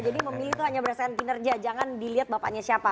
jadi memilih itu hanya berdasarkan kinerja jangan dilihat bapaknya siapa